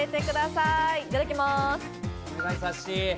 いただきます。